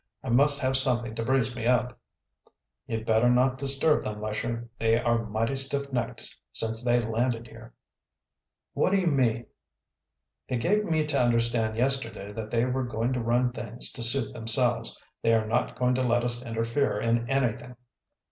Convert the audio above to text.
I must have something to brace me up." "You'd better not disturb them, Lesher. They are mighty stiff necked since they landed here." "What do you mean?" "They gave me to understand yesterday that they were going to run things to suit themselves. They are not going to let us interfere in anything."